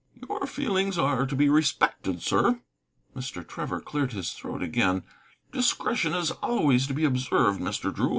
"Your feelings are to be respected, sir." Mr. Trevor cleared his throat again. "Discretion is always to be observed, Mr. Drew.